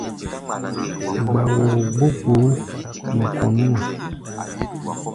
Gba-woo gbó gboó nɛ kɔ̧ nú-a.